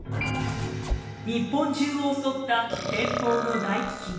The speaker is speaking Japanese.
日本中を襲った天保の大飢きん。